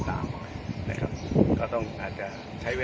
ถ้าไม่ได้ขออนุญาตมันคือจะมีโทษ